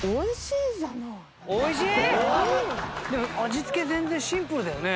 でも味つけ全然シンプルだよね。